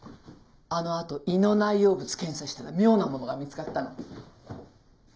あのあと胃の内容物検査したら妙なものが見つかったの。